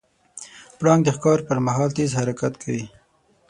پړانګ د ښکار پر مهال تیز حرکت کوي.